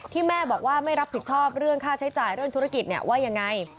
แม่บอกว่าไม่รับผิดชอบเรื่องค่าใช้จ่ายเรื่องธุรกิจว่ายังไง